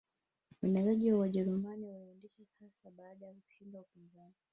Uenezeaji wa Wajerumani uliendelea hasa baada ya kuushinda upinzani